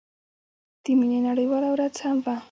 د مينې نړيواله ورځ هم وه.